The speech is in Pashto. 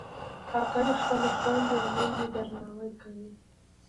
کاکړي خپلې خویندې او میندې درناوي کوي.